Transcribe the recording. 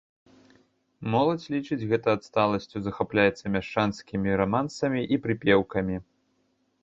Моладзь лічыць гэта адсталасцю, захапляецца мяшчанскімі рамансамі і прыпеўкамі.